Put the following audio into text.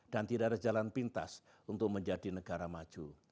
dan tidak ada jalan pintas untuk menjadi negara maju